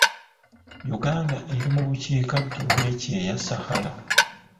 Uganda eri mu bukiikaddyo bw'ekyeya Sahara.